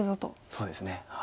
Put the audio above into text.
そうですね。